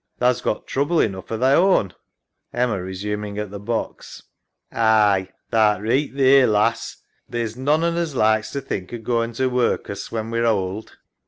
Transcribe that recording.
Tha's got trouble enough of thy own. [Resuming at the box. SARAH. Aye, th'art reeght theer, lass. Theer's none on us likes to think o' going to workus when we're ould.